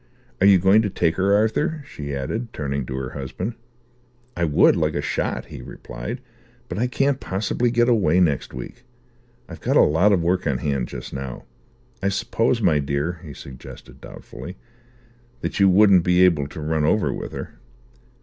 Are you going to take her, Arthur?" she added, turning to her husband. "I would, like a shot," he replied, "but I can't possibly get away next week. I've got a lot of work on hand just now. I suppose, my dear," he suggested doubtfully, "that you wouldn't be able to run over with her?"